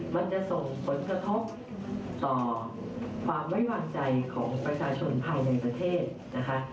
มันจะส่งผลกระทบต่อความไว้วางใจของประชาชนภายในประเทศนะคะ